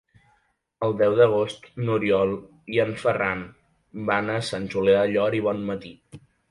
El deu d'agost n'Oriol i en Ferran van a Sant Julià del Llor i Bonmatí.